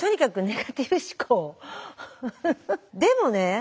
でもね